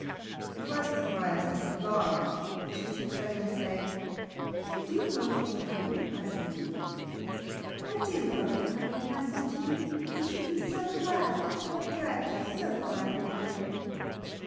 It was surprising (and alarming) that she should suddenly say, "I do hope that you'll come in and have some tea." "I do hope that you'll come in and have some tea. We should be so glad. I have dragged you so far out of your way."